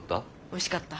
おいしかった。